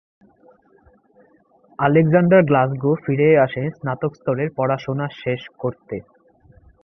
Alexander Glasgow ফিরে আসেন স্নাতক স্তরের পড়াশোনা শেষ করতে।